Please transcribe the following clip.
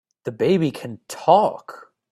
The baby can TALK!